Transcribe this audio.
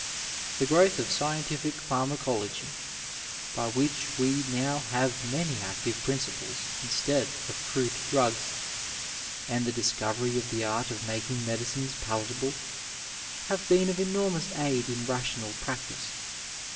The growth of scientific pharmacology, by which we now have many active principles instead of crude drugs, and the discovery of the art of making medicines palatable, have been of enormous aid in rational practice.